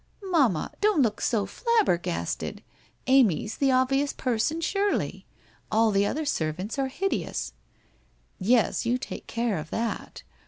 • Mamma, don't look so flabbergasted ! Amy's the ob vious person surely? All the other servants are hideous/ ' Yes, you take care of that.